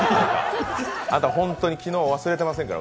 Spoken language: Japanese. あんた、ホントに昨日の忘れてませんから。